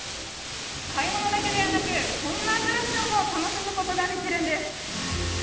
買い物だけではなく、こんなアトラクションも楽しむことができるんです。